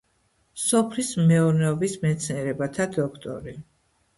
სოფლის მეურნეობის მეცნიერებათა დოქტორი.